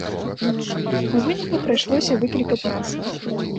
У выніку, прыйшлося выклікаць нас.